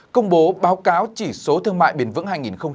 công bố báo cáo chỉ số thương mại biển vững hai nghìn một mươi tám